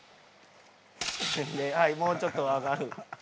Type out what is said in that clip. ではいもうちょっと上がる。